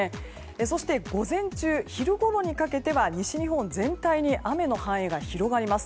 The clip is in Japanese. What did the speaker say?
そして、午前中昼ごろにかけては西日本全体に雨の範囲が広がります。